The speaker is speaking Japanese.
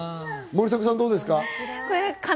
森迫さん、どうですか？